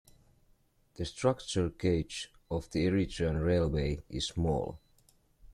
The structure gauge of the Eritrean Railway is small.